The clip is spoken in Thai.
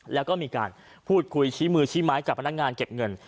แล้วก็มีการพูดคุยชี้มือชี้ไม้กับพนักงานเก็บเงิน